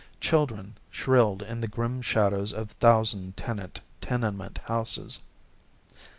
Children shrilled in the grim shadows of thousand tenant tenement houses.